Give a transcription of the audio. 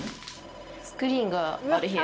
スクリーンがある部屋。